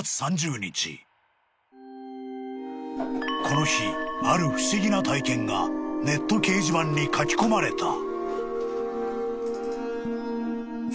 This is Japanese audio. ［この日ある不思議な体験がネット掲示板に書き込まれた］